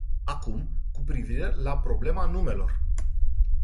Acum, cu privire la problema numelor.